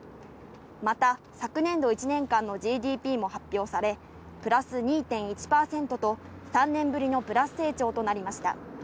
また昨年度１年間のＧＤＰも発表され、プラス２．１％と、３年ぶりのプラス成長となりました。